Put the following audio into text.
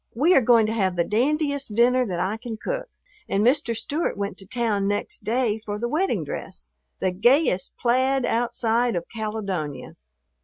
We are going to have the dandiest dinner that I can cook, and Mr. Stewart went to town next day for the wedding dress, the gayest plaid outside of Caledonia.